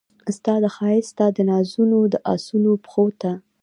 ستا د ښایست ستا دنازونو د اسونو پښو ته